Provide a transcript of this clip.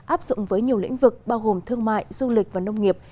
áp dụng với nhiều lĩnh vực bao gồm thương mại du lịch và nông nghiệp